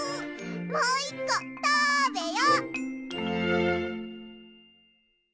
もう１こたべよ！